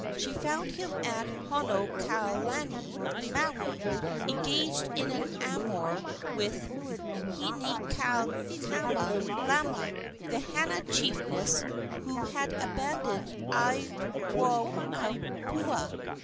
She found him at Honokalani, Maui, engaged in an amour with Hinaikamalama, the Hana chiefess who had abandoned Aiwohikupua.